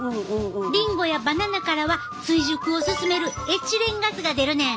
リンゴやバナナからは追熟を進めるエチレンガスが出るねん。